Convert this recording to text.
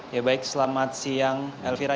ya baik selamat siang elvira